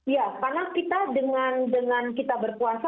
ya karena kita dengan kita berpuasa